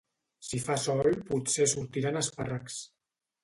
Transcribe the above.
Si fa sol potser sortiran espàrrecs